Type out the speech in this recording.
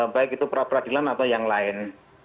baik itu perapradilan atau yang lain